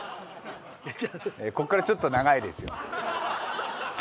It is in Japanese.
こっからちょっと長いですよ。